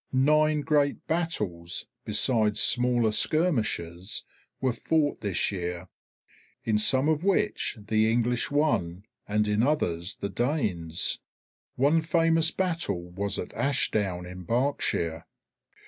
Nine great battles, besides smaller skirmishes, were fought this year, in some of which the English won and in others the Danes. One famous battle was at Ashdown, in Berkshire.